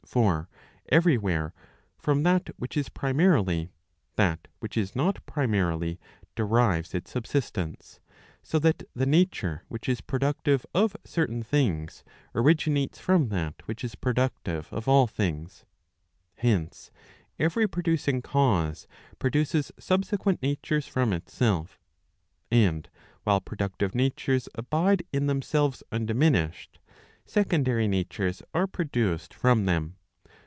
For every where, from that which is primarily, that which is not primarily derives its subsistence; so that the nature which is productive of certain things originates from that which is productive of all things. Hence every producing cause produces subsequent natures from itself. And while productive natures abide in themselves undiminished, secondary natures are produced from them.